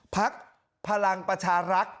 พักพลังประชารักษ์